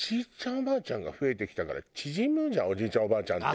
おばあちゃんが増えてきたから縮むじゃんおじいちゃんおばあちゃんって。